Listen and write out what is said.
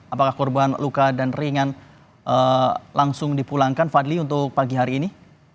apakah korban luka dan ringan langsung dipulangkan fadli untuk pagi hari ini